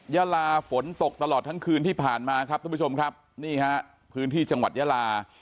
ยาลาฝนตกตลอดทั้งคืนที่ผ่านมาครับทุกผู้ชมครับนี่ฮะพื้นที่จังหวัดยาลา